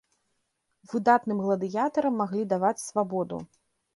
Выдатным гладыятарам маглі даваць свабоду.